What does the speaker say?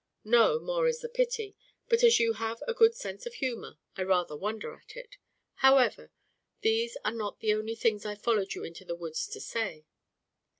"No, more is the pity, but as you have a good sense of humour, I rather wonder at it. However these are not the only things I followed you into the woods to say."